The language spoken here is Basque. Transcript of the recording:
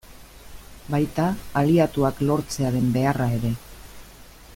Baita, aliatuak lortzearen beharra ere.